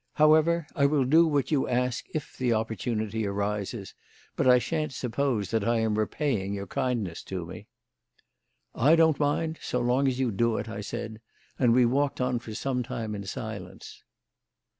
However, I will do what you ask if the opportunity arises; but I shan't suppose that I am repaying your kindness to me." "I don't mind, so long as you do it," I said, and we walked on for some time in silence.